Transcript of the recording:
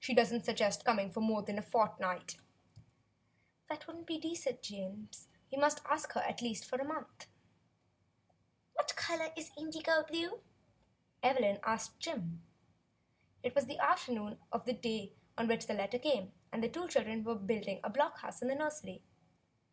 She does n't suggest coming for more than a fortnight." 6 THE BLUE AUNT "That wouldn't be decent, James. We must at least ask her for a month." "What color is indigo blue?" Evelyn asked Jim. It was the afternoon of the day on which the letter came, and the two children were building a block house in the nursery.